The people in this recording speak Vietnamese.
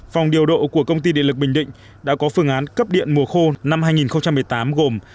phòng điều độ của công ty điện lực bình định đã có phương án cấp điện mùa khô năm hai nghìn một mươi tám gồm